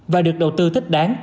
và được đầu tư thích đáng